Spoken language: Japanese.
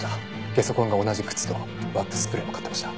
ゲソ痕が同じ靴とワックススプレーも買ってました。